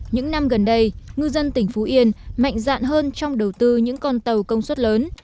những năm gần đây ngư dân tỉnh phú yên mạnh dạn hơn trong đầu tư những con tàu công suất lớn